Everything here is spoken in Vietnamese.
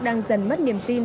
đang dần mất niềm tin